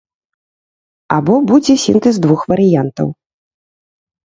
Або будзе сінтэз двух варыянтаў.